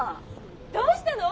どうしたの？